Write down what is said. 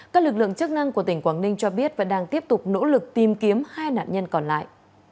các lực lượng chức năng của tỉnh quảng ninh cho biết vẫn đang tiếp tục nỗ lực tìm kiếm hai nạn nhân còn lại